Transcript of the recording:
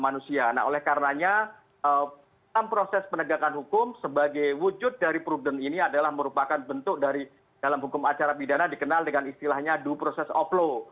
nah oleh karenanya dalam proses penegakan hukum sebagai wujud dari prudent ini adalah merupakan bentuk dari dalam hukum acara pidana dikenal dengan istilahnya due process of law